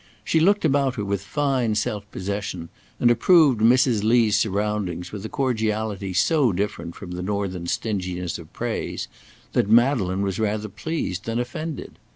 She looked about her with fine self possession, and approved Mrs. Lee's surroundings with a cordiality so different from the northern stinginess of praise, that Madeleine was rather pleased than offended.